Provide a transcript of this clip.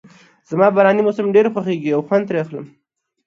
زما باراني موسم ډېر زیات خوښیږي او خوند ترې اخلم.